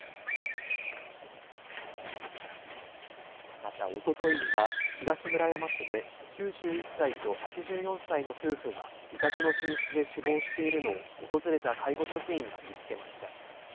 またおとといには東村山市で９１歳と８４歳の夫婦が自宅の寝室で死亡しているのを訪れた介護職員が見つけました。